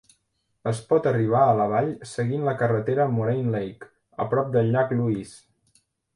Es pot arribar a la vall seguint la carretera Moraine Lake, a prop del llac Louise.